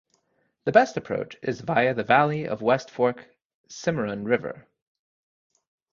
The best approach is via the valley of West Fork Cimarron River.